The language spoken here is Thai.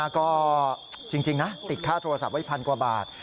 นะครับจริงติดค่าโทรศัพท์ไว้๑๐๐๐กว่าบาท